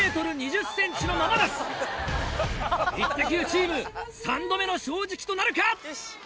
チーム３度目の正直となるか？